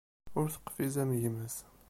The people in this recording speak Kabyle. Ur teqfiz am gma-s.